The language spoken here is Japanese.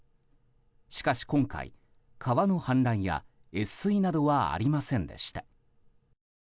しかし今回、川の氾濫や越水などはありませんでした。